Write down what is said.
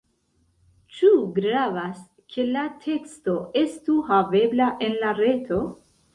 Ĉu gravas, ke la teksto estu havebla en la reto?